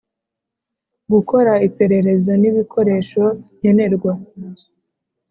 Gukora iperereza n ibikoresho nkenerwa